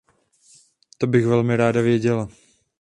To bych velmi ráda věděla.